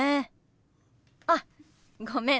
あごめん。